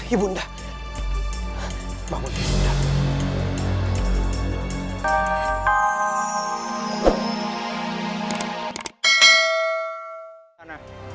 ibu nda bangun ibu nda